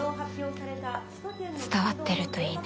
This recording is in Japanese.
伝わってるといいね。